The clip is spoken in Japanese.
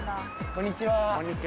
こんにちは。